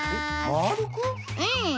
うん。